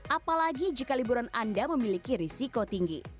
apalagi jika liburan anda memiliki risiko tinggi